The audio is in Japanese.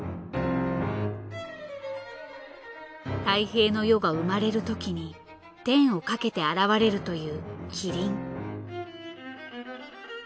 太平の世が生まれるときに天を駆けて現れるという麒麟。